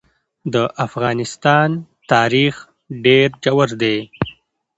د افغانستان تاریخ ډېر ژور دی.